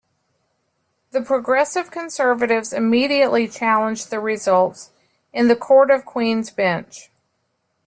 The Progressive Conservatives immediately challenged the results in the Court of Queen's Bench.